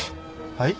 はい？